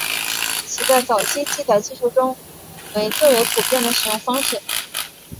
其在早期记载技术中为最为普遍的使用方式。